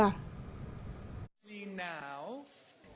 các nghiệp tiếp tục ra